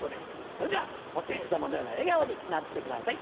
それでは布袋様のような笑顔になってください！